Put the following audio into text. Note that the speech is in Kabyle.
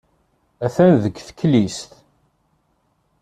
Attan deg teklizt.